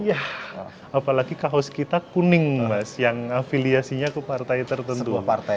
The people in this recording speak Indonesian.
iya apalagi kaos kita kuning mas yang afiliasinya ke partai tertentu